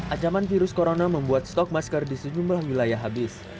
ancaman virus corona membuat stok masker di sejumlah wilayah habis